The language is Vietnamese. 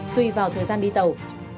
tùy vào thời gian đi tẩu